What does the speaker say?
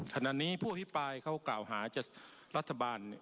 ขณะนี้ผู้อภิปรายเขากล่าวหาจะรัฐบาล